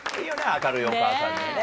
明るいお母さんでね。